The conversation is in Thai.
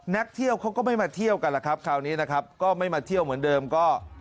นักเที่ยวเขาก็ไม่มาเที่ยวกันล่ะครับคราวนี้นะครับก็ไม่มาเที่ยวเหมือนเดิมก็